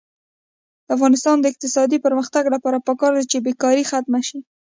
د افغانستان د اقتصادي پرمختګ لپاره پکار ده چې بېکاري ختمه شي.